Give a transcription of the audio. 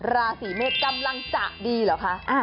ราศีเมษกำลังจะดีเหรอคะ